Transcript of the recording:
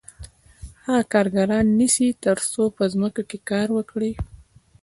هغه کارګران نیسي تر څو په ځمکو کې کار وکړي